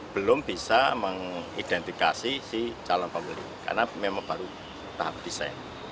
belum bisa mengidentifikasi si calon pembeli karena memang baru tahap desain